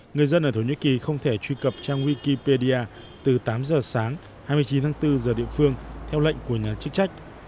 người dân ở thổ nhĩ kỳ không thể truy cập trang wikipedia từ tám giờ sáng hai mươi chín tháng bốn giờ địa phương theo lệnh của nhà chức trách